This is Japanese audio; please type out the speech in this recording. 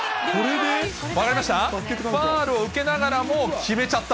分かりました？